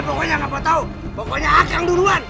pokoknya ngapa tau pokoknya akang duluan